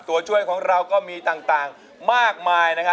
ตัวช่วยของเราก็มีต่างมากมายนะครับ